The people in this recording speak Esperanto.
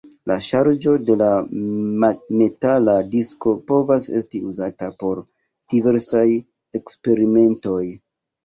La ŝargo de la metala disko povas esti uzata por diversaj eksperimentoj.